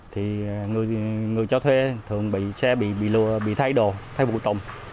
thì người cho thuê thường bị xe bị thay đồ thay phụ tùng